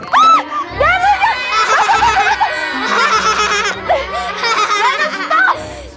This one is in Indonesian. masuk masuk masuk